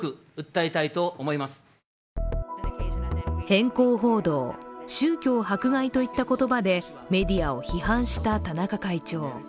偏向報道、宗教迫害といった言葉でメディアを批判した田中会長。